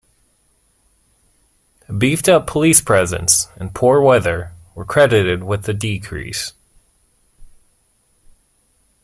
A beefed-up police presence and poor weather were credited with the decrease.